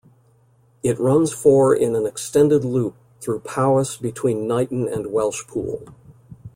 It runs for in an extended loop through Powys between Knighton and Welshpool.